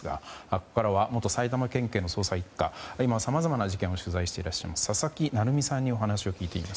ここからは元埼玉県警捜査１課今、さまざまな事件を取材していらっしゃいます佐々木成三さんにお話を聞いていきます。